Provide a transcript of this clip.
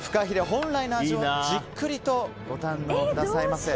本来の味をじっくりとご堪能くださいませ。